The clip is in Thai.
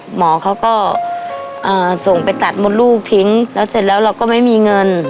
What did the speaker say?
หมอเขาก็ส่งไปตัดมดลูกทิ้งแล้วเสร็จแล้วเราก็ไม่มีเงิน